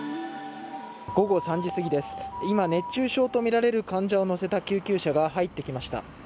午後３時すぎです、今、熱中症の患者を乗せたとみせれる救急車が入ってきました。